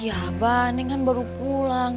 iya abah neng kan baru pulang